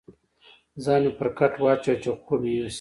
ځان مې پر کټ واچاوه، چې خوب مې یوسي.